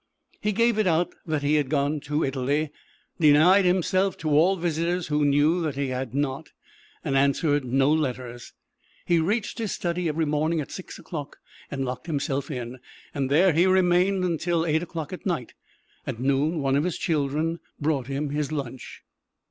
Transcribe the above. He gave it out that he had gone to Italy, denied himself to all visitors who knew that he had not, and answered no letters. He reached his study every morning at six o'clock and locked himself in, and there he remained until eight o'clock at night. At noon one of his children brought him his lunch.